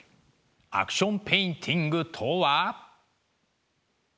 アクションペインティングとは。